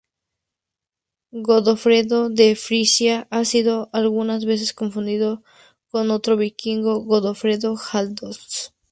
Godofredo de Frisia ha sido algunas veces confundido con otro vikingo, Godofredo Haraldsson.